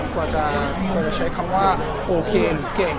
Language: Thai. กว่าจะใช้คำว่าโอเคหรือเก่ง